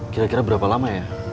kira kira berapa lama ya